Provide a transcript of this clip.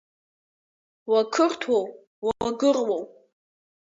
Уақырҭуоу, уагыруоу?